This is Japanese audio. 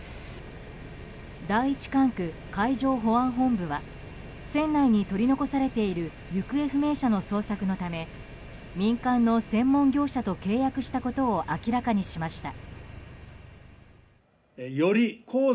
第１管区海上保安本部は船内に取り残されている行方不明者の捜索のため民間の専門業者と契約したことを明らかにしました。